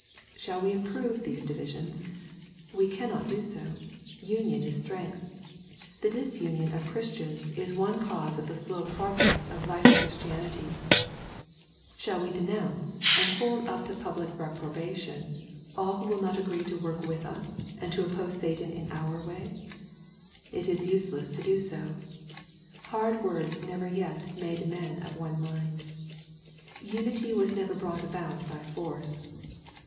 — Shall we approve those divisions ? Wo cannot do so. Union is strength. The disunion of Christians is one cause of the slow progress of vital Christianity. — Shall we denounce, and hold up to pub lic reprobation, all who will not agree to work with us, and to oppose Satan in our way ? It is useless to do so. Hard words never yet made men of one mind. Unity was never yet brought about by force.